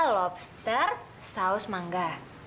lobster saus mangga